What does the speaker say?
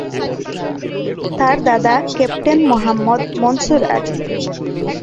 তার দাদা ক্যাপ্টেন মুহাম্মদ মনসুর আলী।